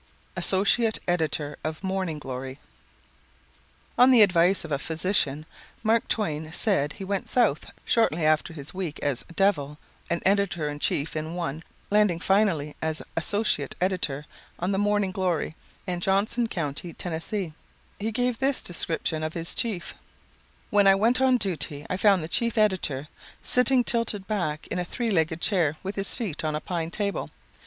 Associate Editor of Morning Glory On the advice of a physician, Mark Twain said he went South shortly after his week as "devil" and editor in chief in one, landing finally as associate editor on the Morning Glory and Johnson County [text unreadable], Tennessee. He gave this description of his "chief": "When I went on duty I found the chief editor sitting tilted back in a three legged chair with his feet on a pine table.